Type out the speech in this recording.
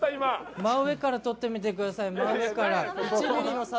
真上から撮ってみてください。